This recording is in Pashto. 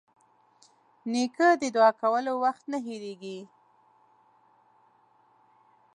نیکه د دعا کولو وخت نه هېرېږي.